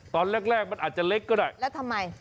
ตอนแรกมันอาจจะเล็กก็ได้แล้วทำไม